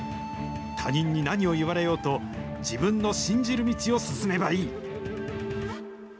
他人に何を言われようと、自分の信じる道を進めばいい。